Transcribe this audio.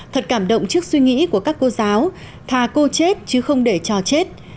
thật cảm động trước suy nghĩ của các cô giáo thà cô chết chứ không để trò chết